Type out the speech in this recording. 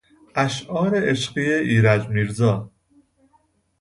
اشعار عشقی ایرج میرزا